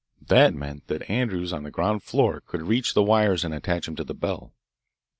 That meant that Andrews on the ground floor could reach the wires and attach them to the bell.